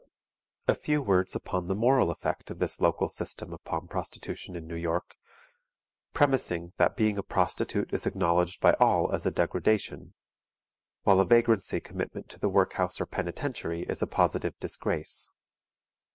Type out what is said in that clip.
A few words upon the moral effect of this local system upon prostitution in New York, premising that being a prostitute is acknowledged by all as a degradation; while a vagrancy commitment to the Work house or Penitentiary is a positive disgrace.